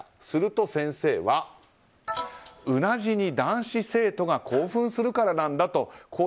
すると先生はうなじに男子生徒が興奮するからなんだと。